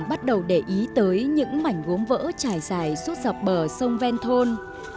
bắt đầu để ý tới những mảnh gốm vỡ trải dài suốt dọc bờ sông ven thôn